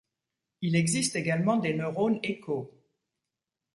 Il existe également des neurones échos.